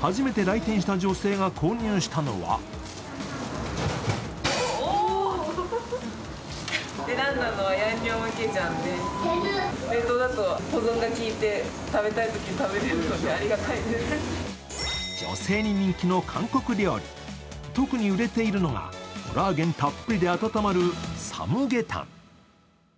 初めて来店した女性が購入したのは女性に人気の韓国料理、特に売れているのがコラーゲンたっぷりで温まるサムゲタン。